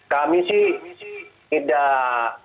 kami sih tidak